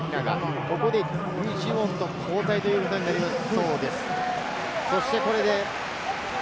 ここで具智元と交代ということになります。